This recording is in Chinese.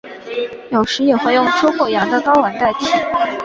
有时也会用猪或羊的睾丸代替。